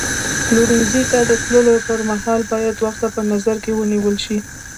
پلورنځي ته د تللو پر مهال باید وخت په نظر کې ونیول شي.